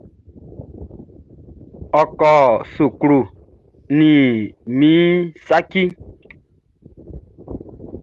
N kɔ suklu nin min saci.